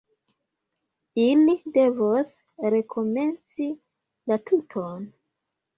Ili devos rekomenci la tuton.